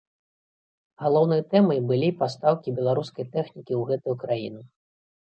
Галоўнай тэмай былі пастаўкі беларускай тэхнікі ў гэтую краіну.